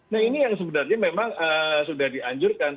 nah ini yang sebenarnya memang sudah dianjurkan